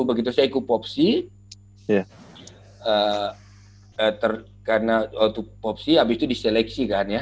begitu saya ikut popsi karena waktu popsi habis itu diseleksi kan ya